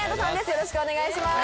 よろしくお願いします。